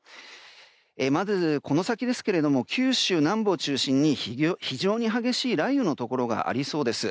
まず、この先、九州南部を中心に非常に激しい雷雨のところがありそうです。